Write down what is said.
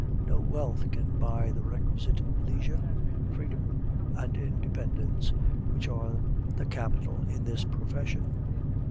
No wealth can buy the requisite leisure, freedom, and independence, which are the capital in this profession.